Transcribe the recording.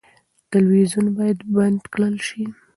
تلویزیون باید بند کړل شي.